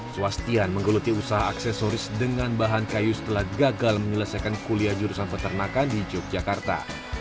swastian menggeluti usaha aksesoris dengan bahan kayu setelah gagal menyelesaikan kuliah jurusan peternakan di yogyakarta